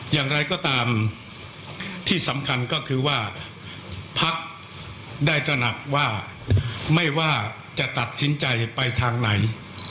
อย่างไรก็ตามที่สำคัญก็คือว่าพักได้ตระหนักว่าไม่ว่าจะตัดสินใจไปทางไหน